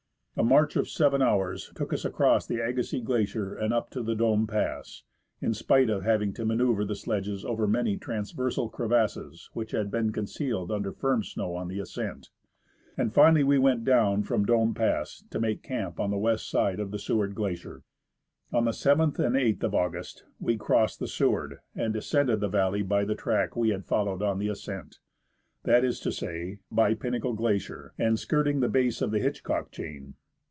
A march of seven hours took us across the Agassiz Glacier and up to the Dome Pass, in spite of having to manoeuvre the sledges over many transversal crevasses which had been concealed under firm snow on the ascent ; and finally we 164 a <; C l z o U 5; CO RETURN FROM MOUNT ST. ELIAS TO YAKUTAT went down from Dome Pass to make camp on the west side of the Seward Glacier. On the 7th and 8th of August we crossed the Seward, and descended the valley by the track we had followed on the ascent ; that is to say, by Pinnacle Glacier, and skirting the base of the Hitchcock chain.